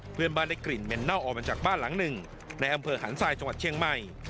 เพื่อนบ้านได้กลิ่นเหม็นเน่าออกมาจากบ้านหลังหนึ่งในอำเภอหันทรายจังหวัดเชียงใหม่